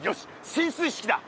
進水式だ！